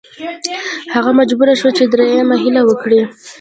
هغه مجبور شو چې دریمه هیله وکړي.